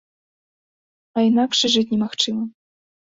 А інакш і жыць немагчыма.